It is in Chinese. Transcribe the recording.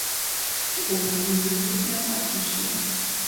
普迪人口变化图示